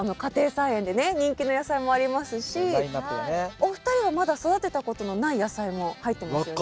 お二人はまだ育てたことのない野菜も入ってますよね。